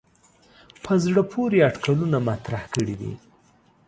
په زړه پورې اټکلونه مطرح کړي دي.